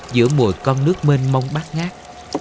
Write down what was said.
giữa mùa con nước mênh mông bát ngát